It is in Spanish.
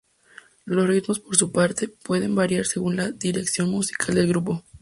Los ritmos, por su parte, pueden variar según la dirección musical del grupo.